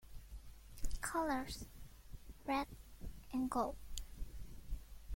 Colours: Red and Gold.